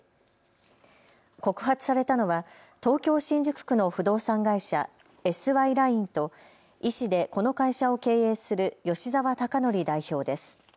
告発されたのは東京新宿区の不動産会社、ＳＹＬｉｎｅと医師でこの会社を経営する吉澤孝典代表です。